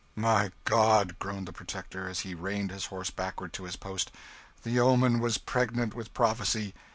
"My God!" groaned the Protector as he reined his horse backward to his post, "the omen was pregnant with prophecy.